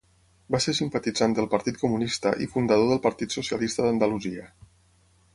Va ser simpatitzant del Partit Comunista i fundador del Partit Socialista d'Andalusia.